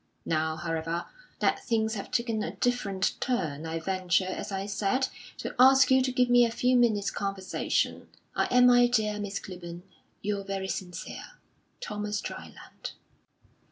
Now, however, that things have taken a different turn, I venture, as I said, to ask you to give me a few minutes' conversation. I am, my dear Miss Clibborn, your very sincere, "THOMAS DRYLAND.